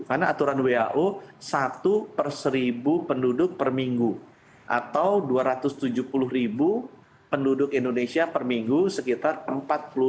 karena aturan who satu per seribu penduduk per minggu atau dua ratus tujuh puluh ribu penduduk indonesia per minggu sekitar empat puluh delapan jam